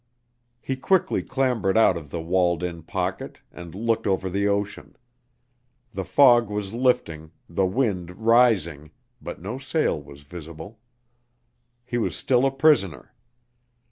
He quickly clambered out of the walled in pocket, and looked over the ocean. The fog was lifting, the wind rising, but no sail was visible. He was still a prisoner.